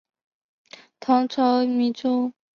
唐朝羁縻州。